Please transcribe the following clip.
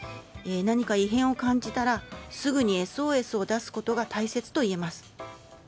何か異変を感じたらすぐにＳＯＳを出すことが大切といえます。